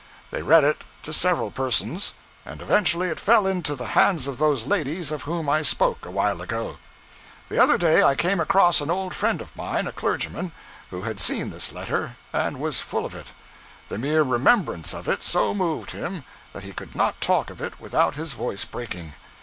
They read it to several persons, and eventually it fell into the hands of those ladies of whom I spoke a while ago. The other day I came across an old friend of mine a clergyman who had seen this letter, and was full of it. The mere remembrance of it so moved him that he could not talk of it without his voice breaking.